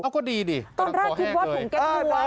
ก็ดีดิตอนแรกคิดว่าถุงแก๊กหัว